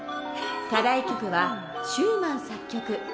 課題曲はシューマン作曲「幻想曲」です。